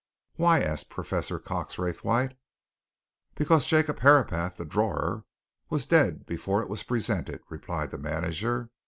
"Why?" asked Professor Cox Raythwaite. "Because Jacob Herapath, the drawer, was dead before it was presented," replied the manager.